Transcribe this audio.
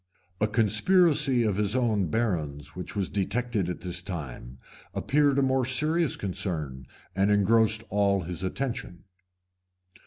A conspiracy of his own barons which was detected at this time, appeared a more serious concern, and engrossed all his attention.